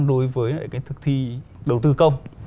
đối với cái thực thi đầu tư công